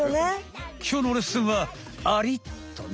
きょうのレッスンはアリっとな。